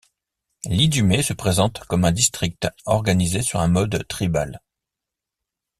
L'Idumée se présente comme un district organisé sur un mode tribal.